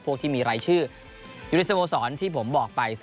พวกที่มีรายชื่ออยู่ในสโมสรที่ผมบอกไป